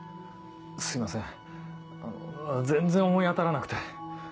すいません全然思い当たらなくて。